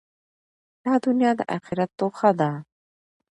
دا دؤنیا د آخرت توښه ده.